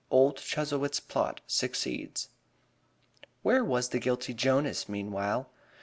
V OLD CHUZZLEWIT'S PLOT SUCCEEDS Where was the guilty Jonas meanwhile?